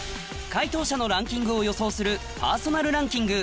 回答者のランキングを予想するパーソナルランキング